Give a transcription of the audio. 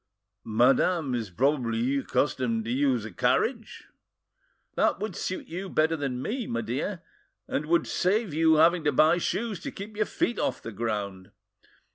Madame is probably accustomed to use a carriage." "That would suit you better than me, my dear, and would save your having to buy shoes to keep your feet off the ground!"